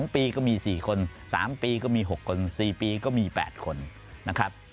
๒ปีก็มี๔คน๓ปีก็มี๖คน๔ปีก็มี๘คนนะครับ